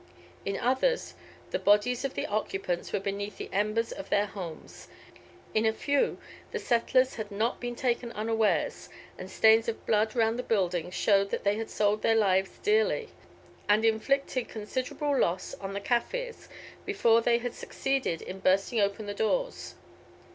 In others, the bodies of the occupants were beneath the embers of their homes; in a few the settlers had not been taken unawares, and stains of blood round the buildings showed that they had sold their lives dearly, and inflicted considerable loss on the Kaffirs before they had succeeded in bursting open the doors.